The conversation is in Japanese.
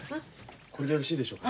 これでよろしいでしょうか？